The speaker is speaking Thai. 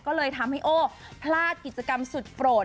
ก็เลยทำให้โอ้พลาดกิจกรรมสุดโปรด